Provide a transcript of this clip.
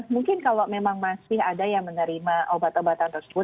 mungkin kalau memang masih ada yang menerima obat obatan tersebut